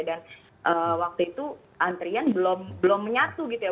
dan waktu itu antrian belum menyatu gitu ya